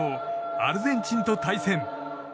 アルゼンチンと対戦。